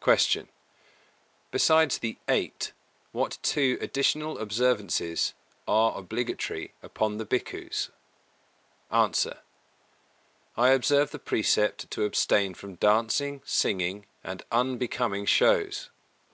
258. Q. Besides the Eight, what two additional observances are obligatory upon the Bhikkhus? A. I observe the precept to abstain from dancing, singing and unbecoming shows.